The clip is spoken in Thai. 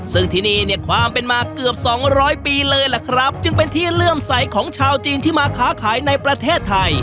ซึ่งที่นี่เนี่ยความเป็นมาเกือบสองร้อยปีเลยล่ะครับจึงเป็นที่เลื่อมใสของชาวจีนที่มาค้าขายในประเทศไทย